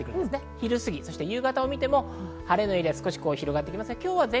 昼過ぎ、夕方をみても晴れのエリアが広がってきます。